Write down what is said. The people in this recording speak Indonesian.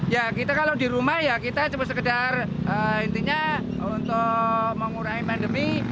ya kita kalau di rumah ya kita cuma sekedar intinya untuk mengurangi pandemi